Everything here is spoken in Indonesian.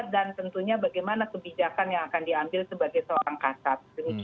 dan tentunya bagaimana kebijakan yang akan diambil sebagai seorang kasat